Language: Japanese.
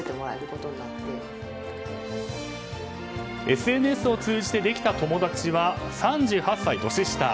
ＳＮＳを通じてできた友達は３８歳年下。